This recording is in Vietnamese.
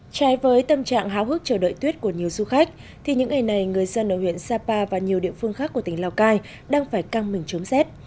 trái với tâm trạng háo hức chờ đợi tuyết của nhiều du khách thì những ngày này người dân ở huyện sapa và nhiều địa phương khác của tỉnh lào cai đang phải căng mình chống rét